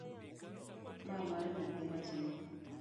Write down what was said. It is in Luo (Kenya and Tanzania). Ma mar nyathi matin.